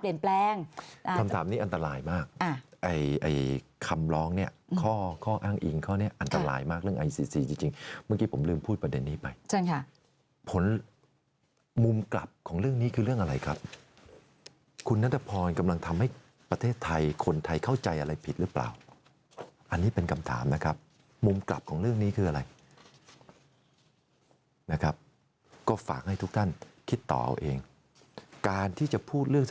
เปลงอ่าคำถามนี้อันตรายมากอ่าไอไอคำร้องเนี้ยข้อข้ออ้างอิงข้อนี้อันตรายมากเรื่องจริงจริงเมื่อกี้ผมลืมพูดประเด็นนี้ไปเชิญค่ะผลมุมกลับของเรื่องนี้คือเรื่องอะไรครับคุณธพรกำลังทำให้ประเทศไทยคนไทยเข้าใจอะไรผิดหรือเปล่าอันนี้เป็นคำถามนะครับมุมกลับของเรื่องนี้ค